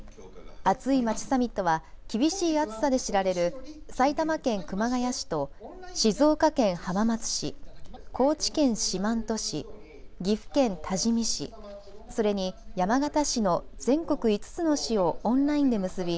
アツいまちサミットは厳しい暑さで知られる埼玉県熊谷市と静岡県浜松市、高知県四万十市、岐阜県多治見市、それに山形市の全国５つの市をオンラインで結び